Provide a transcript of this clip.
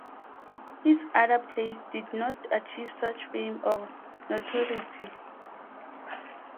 His other plays did not achieve such fame or notoriety.